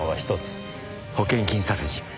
保険金殺人。